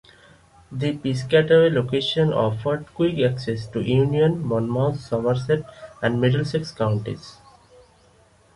The Piscataway location offered quick access to Union, Monmouth, Somerset, and Middlesex counties.